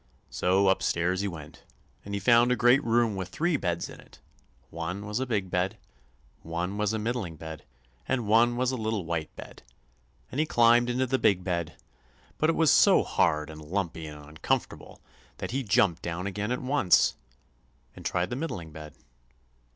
So up stairs he went, and he found a great room with three beds in it; one was a big bed, and one was a middling bed, and one was a little white bed; and he climbed up into the big bed, but it was so hard and lumpy and uncomfortable that he jumped down again at once, and tried the middling bed.